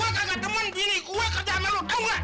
gue kagak temen bini gue kerja sama lo tau gak